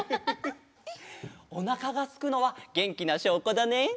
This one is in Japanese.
おなかがすくのはげんきなしょうこだね。